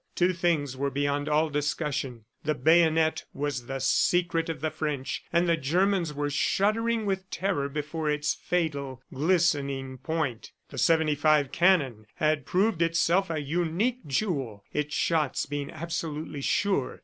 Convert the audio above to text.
Two things were beyond all discussion. The bayonet was the secret of the French, and the Germans were shuddering with terror before its fatal, glistening point. ... The '75 cannon had proved itself a unique jewel, its shots being absolutely sure.